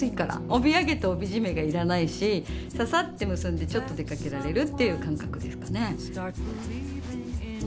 帯揚げと帯締めが要らないしささって結んでちょっと出かけられるという感覚ですかね。